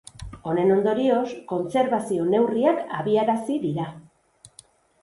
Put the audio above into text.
Honen ondorioz, kontserbazio-neurriak abiarazi dira.